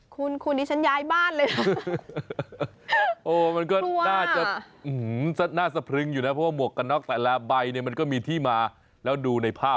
คุณคุณนี้ฉันย้ายบ้านเลย